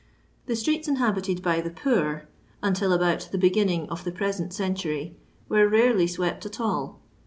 The streets inhabited by the poor, until about the beginning of the present century, were rarely swept at all.